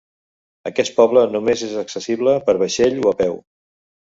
Aquest poble només és accessible per vaixell o a peu.